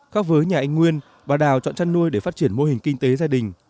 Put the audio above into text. khác với nhà anh nguyên bà đào chọn chăn nuôi để phát triển mô hình kinh tế gia đình